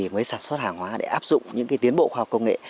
mới sản xuất hàng hóa để áp dụng những tiến bộ khoa học công nghệ